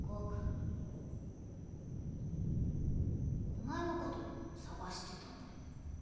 お前のこと捜してたんだよ。